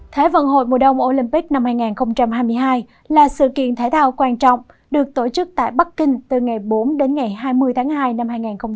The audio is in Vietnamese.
thái vận hội mùa đông olympic năm hai nghìn hai mươi hai là sự kiện thể thao quan trọng được tổ chức tại bắc kinh từ ngày bốn đến ngày hai mươi tháng hai năm hai nghìn hai mươi